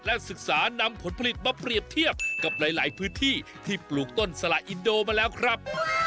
และศึกษานำผลผลิตมาเปรียบเทียบกับหลายพื้นที่ที่ปลูกต้นสละอินโดมาแล้วครับ